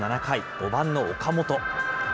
５番の岡本。